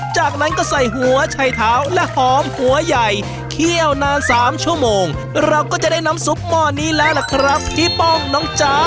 จากนั้นก็ใส่หัวชัยเท้าและหอมหัวใหญ่เคี่ยวนานสามชั่วโมงเราก็จะได้น้ำซุปหม้อนี้แล้วล่ะครับพี่ป้องน้องจ๊ะ